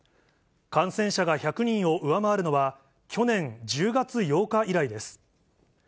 感染者が１００人を上回るのは、去年１０月８日以来です。